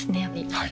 はい。